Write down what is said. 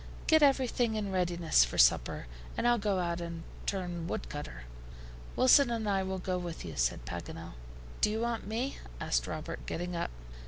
"Get everything in readiness for supper, and I'll go out and turn woodcutter." "Wilson and I will go with you," said Paganel. "Do you want me?" asked Robert, getting up.